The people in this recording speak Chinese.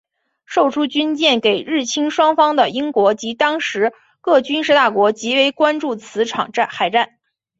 售出军舰给日清双方的英国及当时各军事大国极为关注此场海战。